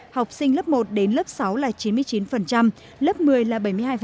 học sinh lớp một đến lớp sáu là chín mươi chín lớp một mươi là bảy mươi hai